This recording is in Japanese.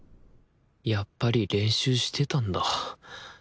やっぱり練習してたんだ